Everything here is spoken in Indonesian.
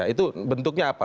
itu bentuknya apa